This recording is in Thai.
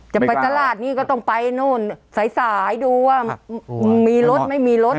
จะไปตลาดนี้ก็ต้องไปนู่นสายสายดูว่ามีรถไม่มีรถ